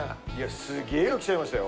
すげえのきちゃいましたよ。